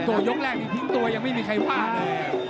ยกแรกนี้ทิ้งตัวยังไม่มีใครบ้าเลย